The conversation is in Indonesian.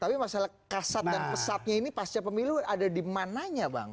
tapi masalah kasat dan pesatnya ini pasca pemilu ada di mananya bang